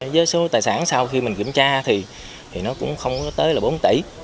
với số tài sản sau khi mình kiểm tra thì nó cũng không có tới là bốn tỷ